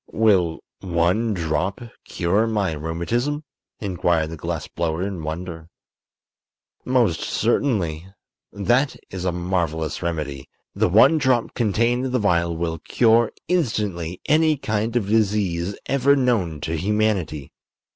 "Will one drop cure my rheumatism?" inquired the glass blower, in wonder. "Most certainly. That is a marvelous remedy. The one drop contained in the vial will cure instantly any kind of disease ever known to humanity.